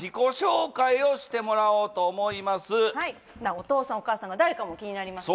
お父さんお母さんが誰かも気になりますもんね。